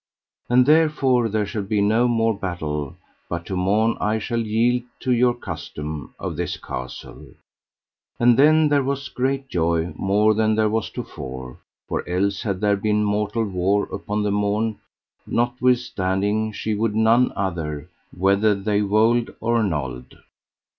And therefore there shall be no more battle, but to morn I shall yield you your custom of this castle. And then there was great joy more than there was to fore, for else had there been mortal war upon the morn; notwithstanding she would none other, whether they wold or nold.